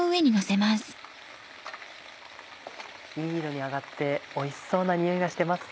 いい色に揚がっておいしそうな匂いがしてます。